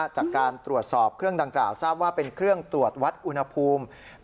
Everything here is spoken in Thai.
จากการตรวจสอบเครื่องดังกล่าวทราบว่าเป็นเครื่องตรวจวัดอุณหภูมิ